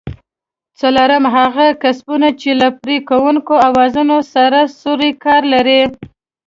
څلورم: هغه کسبونه چې له پرې کوونکو اوزارونو سره سرو کار لري؟